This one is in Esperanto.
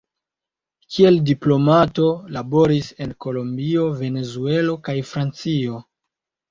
Kiel diplomato, laboris en Kolombio, Venezuelo kaj Francio.